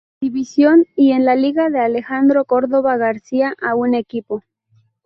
División y en la Liga de Alejandro Córdova García a un equipo.